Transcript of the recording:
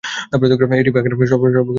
এটি বাঘের সর্বাপেক্ষা বিপন্ন উপপ্রজাতি।